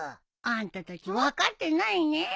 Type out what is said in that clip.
あんたたち分かってないねえ。